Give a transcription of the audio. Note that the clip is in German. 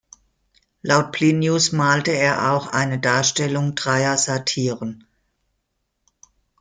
Laut Plinius malte er auch eine Darstellung dreier Satyrn.